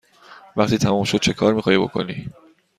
وقتی تمام شد چکار می خواهی بکنی؟